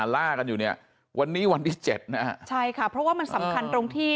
วันนี้วันที่๗นะครับใช่ค่ะเพราะว่ามันสำคัญตรงที่